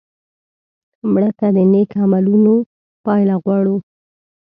مړه ته د نیک عملونو پایله غواړو